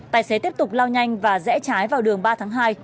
tài xế tiếp tục lao nhanh và rẽ trái vào đường ba tháng hai